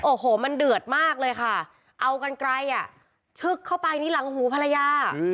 โอ้โหมันเดือดมากเลยค่ะเอากันไกลอ่ะชึกเข้าไปที่หลังหูภรรยา